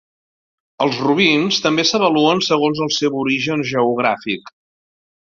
Els robins també s"avaluen segons el seu origen geogràfic.